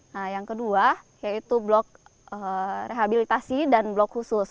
nah yang kedua yaitu blok rehabilitasi dan blok khusus